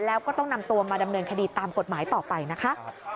แล้วก็ต้องนำตัวมาดำเนินคดีตามกฎหมายต่อไปนะคะ